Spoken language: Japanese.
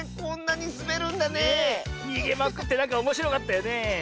にげまくってなんかおもしろかったよね。